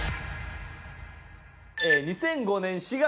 ２００５年４月。